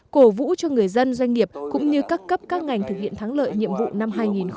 cổ vũ cho người dân doanh nghiệp cũng như các cấp các ngành thực hiện thắng lợi nhiệm vụ năm hai nghìn hai mươi